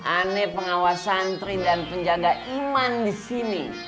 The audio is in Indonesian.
aneh pengawasan tri dan penjaga iman disini